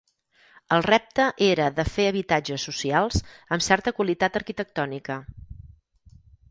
El repte era de fer habitatges socials amb certa qualitat arquitectònica.